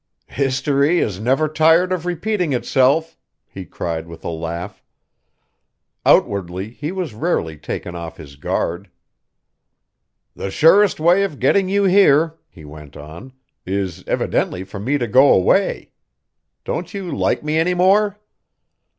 "History is never tired of repeating itself!" he cried with a laugh. Outwardly he was rarely taken off his guard. "The surest way of getting you here," he went on, "is evidently for me to go away. Don't you like me any more?"